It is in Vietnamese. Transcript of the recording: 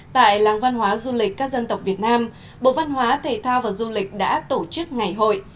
tại làng văn hóa du lịch các dân tộc việt nam bộ văn hóa thể thao và du lịch đã tổ chức ngày hội